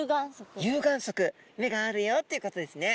目があるよっていうことですね。